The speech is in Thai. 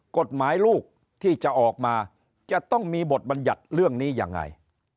กฎหมายลูกที่จะออกมาจะต้องมีบทบัญญัติเรื่องนี้ยังไง